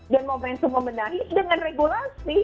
dan momentum memenangi dengan regulasi